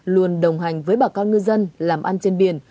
luôn đồng hành với bà con ngư dân làm ăn trên biển